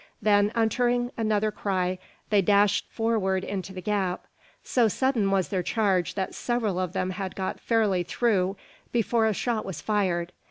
Then, uttering another cry, they dashed forward into the gap. So sudden was their charge that several of them had got fairly through before a shot was fired.